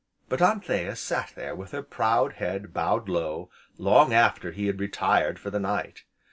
But Anthea sat there with her proud head bowed low, long after he had retired for the night.